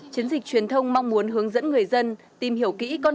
chiến dịch truyền thông mong muốn hướng dẫn người dân tìm hiểu kỹ con đường